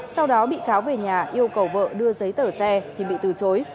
sau đó bị cáo về nhà yêu cầu vợ đưa giấy tờ xe thì bị từ chối